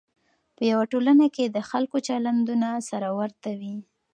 په یوه ټولنه کې د خلکو چلندونه سره ورته وي.